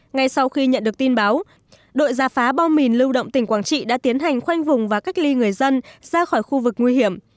ngay sau khi nhận được tin báo đội giả phá bom mìn lưu động tỉnh quảng trị đã tiến hành khoanh vùng và cách ly người dân ra khỏi khu vực nguy hiểm